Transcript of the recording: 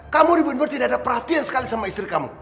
kamu dibunuh berarti gak ada perhatian sekali sama istri kamu